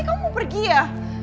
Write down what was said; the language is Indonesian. kamu mau pergi ya